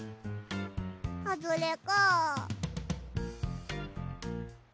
はずれか。